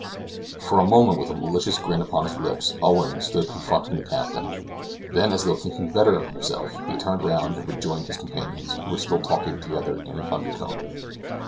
For a moment, with a malicious grin upon his lips, Owen stood confronting the captain; then, as though thinking better of himself, he turned round and rejoined his companions, who were still talking together in an undertone.